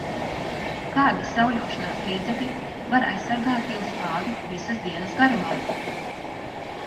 Kādi sauļošanās līdzekļi var aizsargāt jūsu ādu visas dienas garumā?